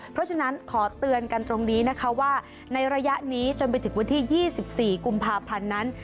เพราะฉะนั้นขอเตือนกันตรงนี้นะคะว่าในระยะนี้จนไปถึงวันที่๒๔กุมภาพันธ์นั้น